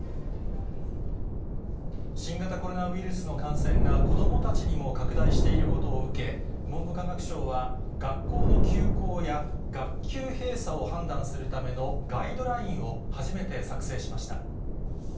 新型コロナウイルスの感染が子どもたちにも拡大していることを受け、文部科学省は学校の休校や学級閉鎖を判断するためのガイドラインを、初めて作成しました。